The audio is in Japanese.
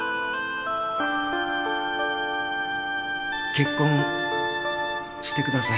結婚してください。